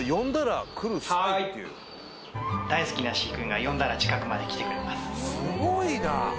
はい大好きな飼育員が呼んだら近くまで来てくれますすごいな！